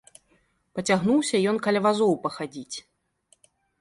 Пацягнуўся ён каля вазоў пахадзіць.